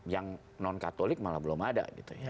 yang non katolik malah belum ada